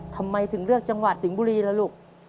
ทำไมถึงเลือกจังหวัดสิงห์บุรีล่ะลูก